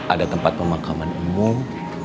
ada tempat pemakaman umum